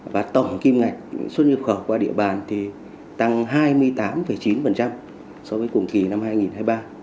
và tổng kim ngạch xuất nhập khẩu qua địa bàn thì tăng hai mươi tám chín so với cùng kỳ năm hai nghìn hai mươi ba